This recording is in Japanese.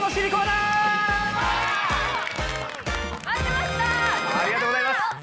ありがとうございます。